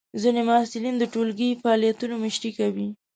ځینې محصلین د ټولګی فعالیتونو مشري کوي.